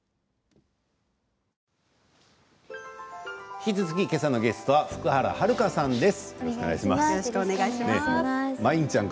引き続き今朝のゲストは福原遥さんです。